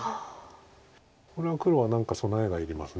これは黒は何か備えがいります。